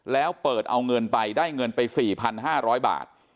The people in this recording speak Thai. แล้วเปิดเอาเงินไปได้เงินไปสี่พันห้าร้อยบาท